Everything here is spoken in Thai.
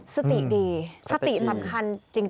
สติดีสติสำคัญจริง